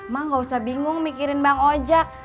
mak gak usah bingung mikirin bang ojak